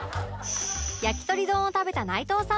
やきとり丼を食べた内藤さんは